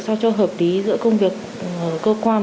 so với công việc cơ quan